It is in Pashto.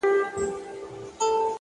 هره هڅه خپل دوامداره اثر لري!.